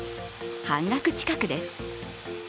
半額近くです。